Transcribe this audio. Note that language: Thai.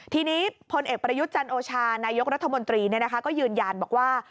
ทีนี้พลเอกประยุทธ์จันโอชานายกรัฐมนตรีก็ยืนยันบอกว่า